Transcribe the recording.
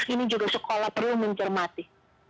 ini juga sekolah perlu mencermati